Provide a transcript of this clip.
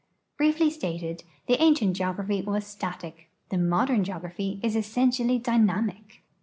Briefly stated, the an cient geograph}" was static, the modern geograph}'' is essentially dynamic.